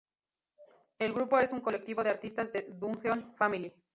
El grupo es un colectivo de artistas de Dungeon Family.